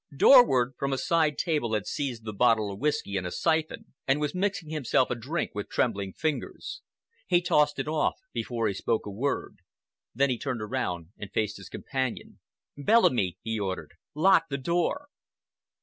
Dorward from a side table had seized the bottle of whiskey and a siphon, and was mixing himself a drink with trembling fingers. He tossed it off before he spoke a word. Then he turned around and faced his companion. "Bellamy," he ordered, "lock the door."